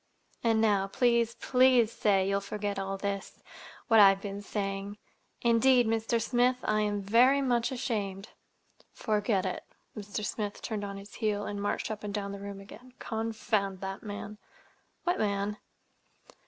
And now, please, please say you'll forget all this—what I've been saying. Indeed, Mr. Smith I am very much ashamed." "Forget it!" Mr. Smith turned on his heel and marched up and down the room again. "Confound that man!" "What man?"